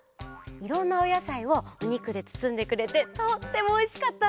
いろんなおやさいをおにくでつつんでくれてとってもおいしかったんだ。